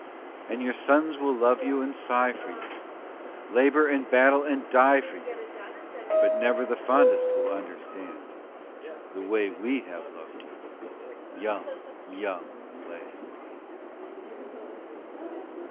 And your sons will love you and sigh for you, Labor and battle and die for you, But never the fondest will understand The way we have loved you, young, young land.